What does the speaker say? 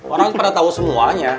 orang pernah tahu semuanya